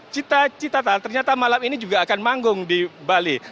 cita citata ternyata malam ini juga akan manggung di bali